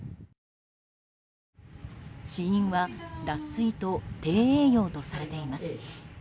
死因は脱水と低栄養とされています。